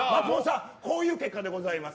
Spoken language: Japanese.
こういう結果でございます。